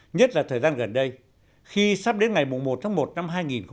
nhất là thời gian gần đây khi sắp đến ngày một tháng một năm hai nghìn một mươi chín